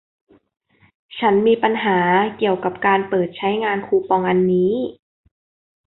ฉันมีปัญหาเกี่ยวกับการเปิดใช้งานคูปองอันนี้